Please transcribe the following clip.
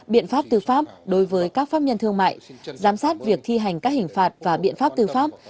biện pháp tư pháp đối với các pháp nhân thương mại giám sát việc thi hành các hình phạt và biện pháp tư pháp